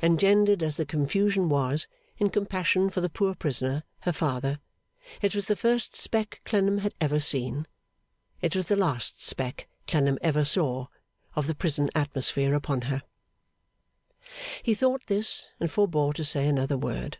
Engendered as the confusion was, in compassion for the poor prisoner, her father, it was the first speck Clennam had ever seen, it was the last speck Clennam ever saw, of the prison atmosphere upon her. He thought this, and forbore to say another word.